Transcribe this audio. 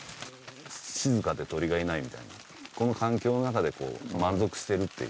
静かで鶏がいないみたいなこの環境の中で満足してるっていう。